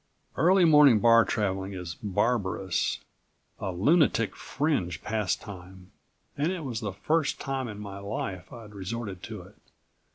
Early morning bar traveling is barbarous, a lunatic fringe pastime, and it was the first time in my life I'd resorted to it.